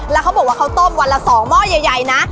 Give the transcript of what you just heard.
แล้วเขาบอกว่าเขาต้มวันละ๒หม้อใหญ่นะ